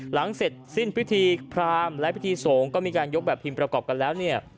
หลังเสร็จสิ้นพิธีพรามและพิธีสงฆ์ก็มีการยกแบบพิมพ์ประกอบกันแล้วเนี่ย